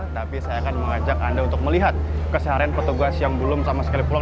tapi saya akan mengajak anda untuk melihat keseharian petugas yang belum sama sekali pulang